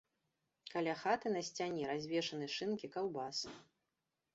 Каля хаты на сцяне развешаны шынкі, каўбасы.